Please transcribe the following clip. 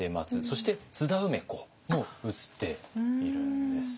そして津田梅子も写っているんです。